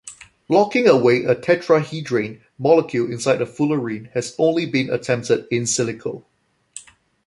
Locking away a tetrahedrane molecule inside a fullerene has only been attempted "in silico".